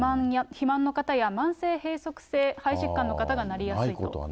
肥満の方や、慢性閉そく性肺疾患の方がなりやすいということ。